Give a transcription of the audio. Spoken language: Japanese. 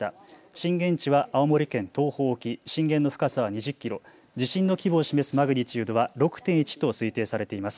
震源地は青森県東方沖、震源の深さ２０キロ、地震の規模を示すマグニチュードは６．１と推定されています。